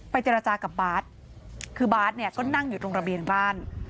เจรจากับบาทคือบาทเนี่ยก็นั่งอยู่ตรงระเบียงบ้าน